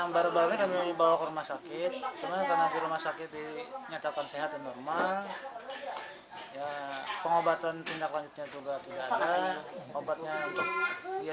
pengobatan tindak lanjutnya juga tidak ada obatnya untuk dia supaya sembuh dari bangunan juga tidak ada